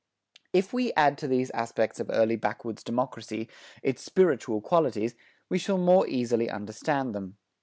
If we add to these aspects of early backwoods democracy, its spiritual qualities, we shall more easily understand them.